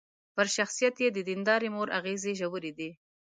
پر شخصيت يې د ديندارې مور اغېزې ژورې دي.